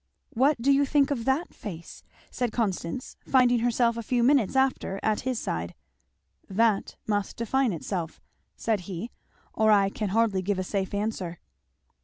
"What do think of that face?" said Constance finding herself a few minutes after at his side. "'That' must define itself," said he, "or I can hardly give a safe answer."